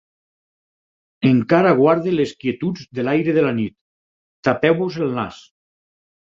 Encara guarda les quietuds de l’aire de la nit. Tapeu-vos el nas!